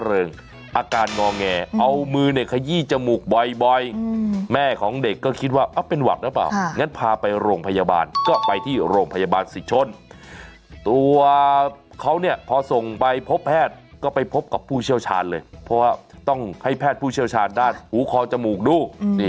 ขยี้จมูกบ่อยแม่ของเด็กก็คิดว่าเป็นหวัดหรือเปล่างั้นพาไปโรงพยาบาลก็ไปที่โรงพยาบาลสิชนตัวเขาเนี่ยพอส่งไปพบแพทย์ก็ไปพบกับผู้เชี่ยวชาญเลยเพราะว่าต้องให้แพทย์ผู้เชี่ยวชาญด้านหูคอจมูกดูนี่